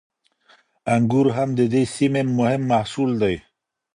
انګور هم د دې سیمې مهم محصول دی.